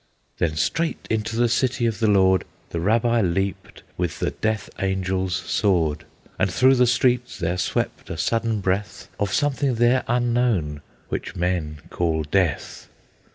Then straight into the city of the Lord The Rabbi leaped with the Death Angel's sword, And through the streets there swept a sudden breath Of something there unknown, which men call death.